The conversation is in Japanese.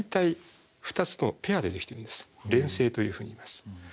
連星というふうにいいます。